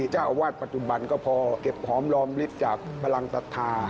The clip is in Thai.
เจ้าอาวาสปัจจุบันก็พอเก็บหอมรอมลิฟต์จากพลังศรัทธา